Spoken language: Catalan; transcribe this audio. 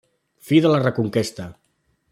Fi de la Reconquesta.